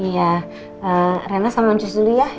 iya rina sama uncus dulu ya